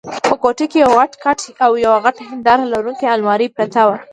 په کوټه کې یو غټ کټ او یوه غټه هنداره لرونکې المارۍ پرته وه.